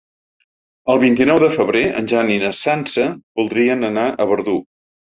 El vint-i-nou de febrer en Jan i na Sança voldrien anar a Verdú.